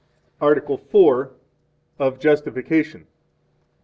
Article IV. Of Justification.